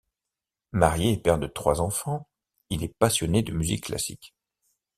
Marié et père de trois enfants, il est passionné de musique classique.